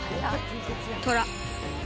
トラ。